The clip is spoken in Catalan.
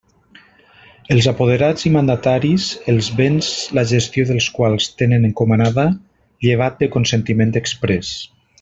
Els apoderats i mandataris, els béns la gestió dels quals tenen encomanada, llevat de consentiment exprés.